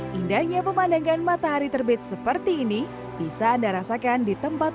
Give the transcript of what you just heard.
hai indahnya pemandangan matahari terbit seperti ini bisa anda rasakan di tempat